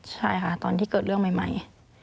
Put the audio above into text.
ใช่ค่ะตอนที่เกิดเรื่องใหม่